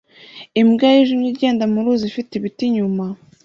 imbwa yijimye igenda mu ruzi ifite ibiti inyuma